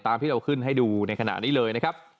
ที่เราขึ้นให้ดูในขณะนี้เลยนะครับ